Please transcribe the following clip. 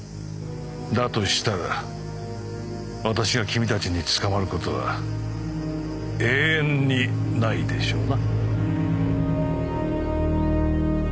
だとしたら私が君たちに捕まる事は永遠にないでしょうな。